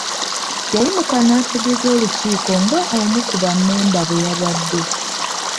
Yayimuka n'ategeeza olukiiko nga omu ku bammemba bwe yalwadde.